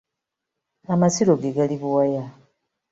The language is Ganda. Amasiro ge gali Bugwanya.